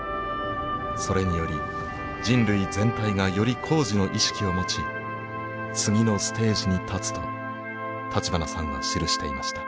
それにより人類全体がより高次の意識を持ち次のステージに立つと立花さんは記していました。